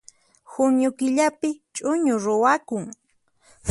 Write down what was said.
Junio killapi ch'uñu ruwakun